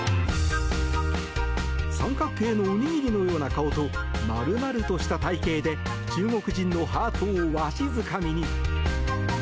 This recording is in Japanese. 三角形のおにぎりのような顔と丸々とした体形で中国人のハートをわしづかみに。